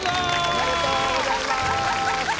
おめでとうございます。